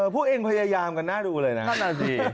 พวกเองพยายามกันหน้าดูเลยนะ